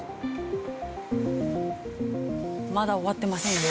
まだ終わってませんよ。